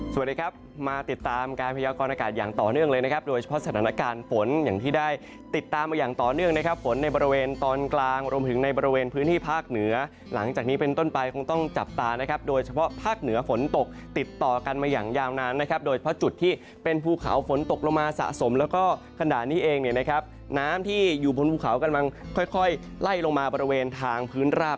สวัสดีครับมาติดตามการพยาบกรณ์อากาศอย่างต่อเนื่องเลยนะครับโดยเฉพาะสถานการณ์ฝนอย่างที่ได้ติดตามมาอย่างต่อเนื่องนะครับฝนในบริเวณตอนกลางรวมถึงในบริเวณพื้นที่ภาคเหนือหลังจากนี้เป็นต้นไปคงต้องจับตานะครับโดยเฉพาะภาคเหนือฝนตกติดต่อกันมาอย่างยาวนานนะครับโดยเฉพาะจุดที่เป็นภ